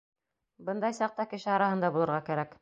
Бындай саҡта кеше араһында булырға кәрәк.